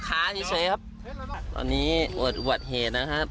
อายะคนเก่งนะครับ